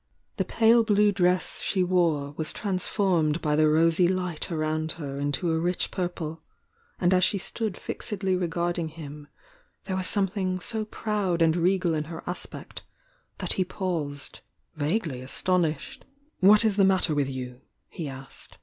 The pale blue dress she wore was transformed by the rosy lif^t around her into a rich purple, and as she stood fixedly regarding him there was something so proud and regal in her aspect that he paused, vaguely as tonished. "What is the matter with you?" he asked.